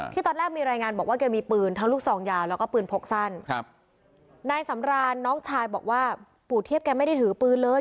ตอนแรกมีรายงานบอกว่าแกมีปืนทั้งลูกซองยาวแล้วก็ปืนพกสั้นครับนายสำรานน้องชายบอกว่าปู่เทียบแกไม่ได้ถือปืนเลย